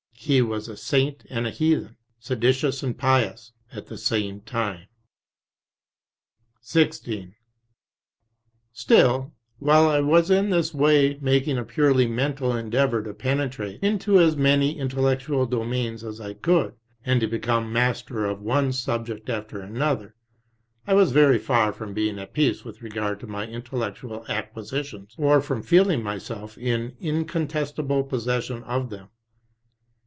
He was a Saint and a Heathen, seditious and pious, at the same time. m 102 REMINISCENCES XVI. Still, while I was in this way making a purely mental endeavour to penetrate into as many intellectual domains as I could, and to become master of one subject after another, I was very far from being at peace with regard to my intellec tual acquisitions, or from feeling myself in incontestable pos session of them.